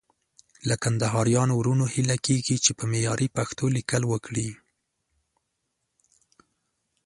له کندهاريانو وروڼو هيله کېږي چې په معياري پښتو ليکل وکړي.